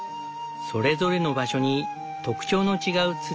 それぞれの場所に特徴の違う土がある。